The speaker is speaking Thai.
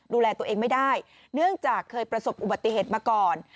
ดูแลตัวเองไม่ได้เนื่องจากเคยประสบอุบัติเหตุมาก่อน